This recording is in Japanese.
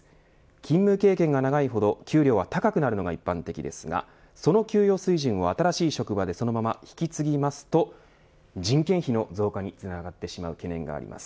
勤務経験が長いほど、給料は高くなるのが一般的ですがその給与水準を新しい職場でそのまま引き継ぎますと人件費の増加につながってしまう懸念があります。